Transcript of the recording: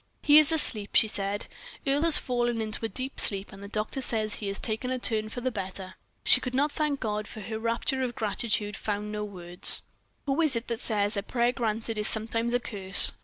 "He is asleep," she said; "Earle has fallen into a deep sleep, and the doctor says he has taken a turn for the better." She could not thank God, for her rapture of gratitude found no words. Who is it that says that "a prayer granted is sometimes a curse?"